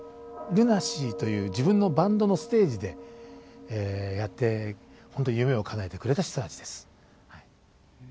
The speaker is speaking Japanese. ＬＵＮＡＳＥＡという自分のバンドのステージでやって本当夢を叶えてくれた人たちです。